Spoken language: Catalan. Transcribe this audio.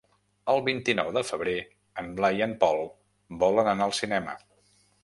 El vint-i-nou de febrer en Blai i en Pol volen anar al cinema.